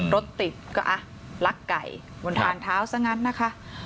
รถติดก็ลักไก่บนทางเท้าซะงั้นนะคะ